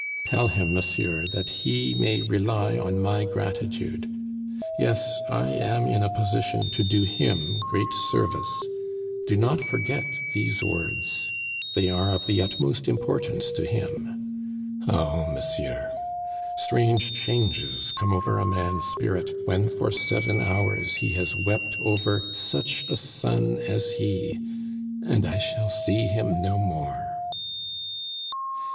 "Tell him, monsieur, that he may rely on my gratitude. Yes, I am in a position to do him great service. Do not forget these words; they are of the utmost importance to him. "Oh, monsieur! strange changes come over a man's spirit when for seven hours he has wept over such a son as he And I shall see him no more!"